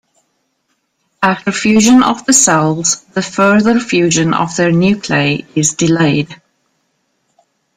After fusion of the cells, the further fusion of their nuclei is delayed.